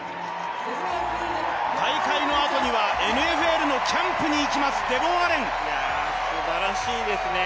大会のあとにはＮＦＬのキャンプにいきます、すばらしいですね。